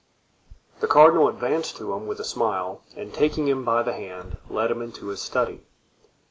The cardinal advanced to him with a smile and taking him by the hand led him into his study.